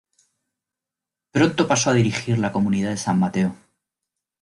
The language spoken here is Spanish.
Pronto pasó a dirigir la comunidad de San Mateo.